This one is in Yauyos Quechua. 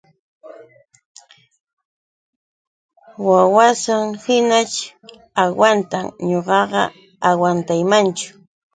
Wawasan hinañaćh agwantan ñuqaqa agwantaymanchu.